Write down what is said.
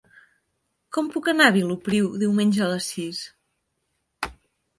Com puc anar a Vilopriu diumenge a les sis?